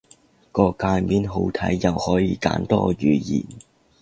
個介面好睇，又可以揀多語言